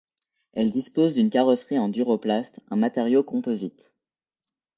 Elles disposent d'une carrosserie en Duroplast, un matériau composite.